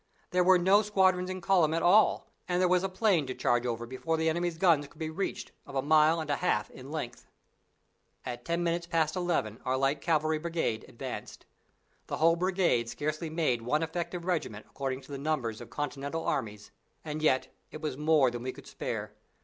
There were no squadrons in column at all and there was a plain to charge over before the enemy's guns could be reached, of a mile and a half in length! At ten minutes past eleven our light cavalry brigade advanced. The whole brigade scarcely made one effective regiment according to the numbers of continental armies, and yet it was more than we could spare.